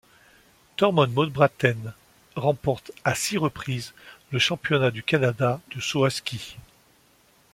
Tormod Mobraaten remporte à six reprises le championnat du Canada de saut à ski.